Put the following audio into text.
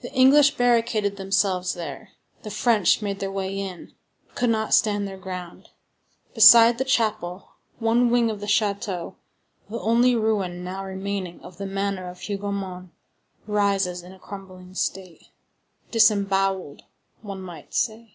The English barricaded themselves there; the French made their way in, but could not stand their ground. Beside the chapel, one wing of the château, the only ruin now remaining of the manor of Hougomont, rises in a crumbling state,—disembowelled, one might say.